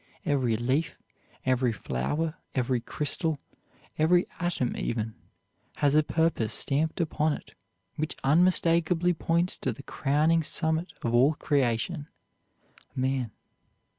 Every leaf, every flower, every crystal, every atom even, has a purpose stamped upon it which unmistakably points to the crowning summit of all creation man.